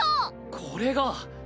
これが。